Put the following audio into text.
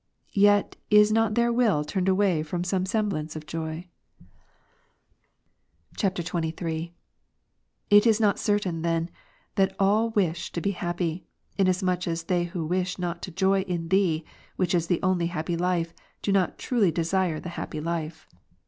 Yet is not their will turned away from some semblance of joy. [XXIII.] 33. It is not certain then that all wish to be happy, inasmuch as they w^ho wish not to joy in Thee, which is the only happy life, do not truly desire the happy life.